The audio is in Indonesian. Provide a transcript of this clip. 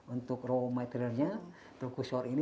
untuk raw materialnya rukushore ini